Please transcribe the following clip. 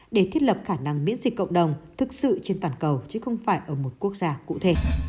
để thiết lập khả năng miễn dịch cộng đồng thực sự trên toàn cầu chứ không phải ở một quốc gia cụ thể